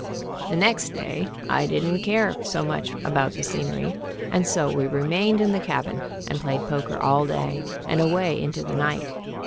The next day I didn't care so much about the scenery, and so we remained in the cabin and played poker all day, and away into the night.